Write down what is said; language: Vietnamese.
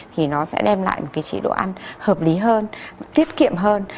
thì nó sẽ đem lại một cái chế độ ăn hợp lý hơn tiết kiệm hơn